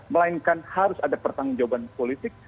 melainkan harus ada pertanggung jawaban politik